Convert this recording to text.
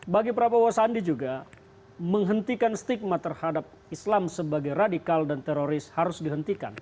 bagi prabowo sandi juga menghentikan stigma terhadap islam sebagai radikal dan teroris harus dihentikan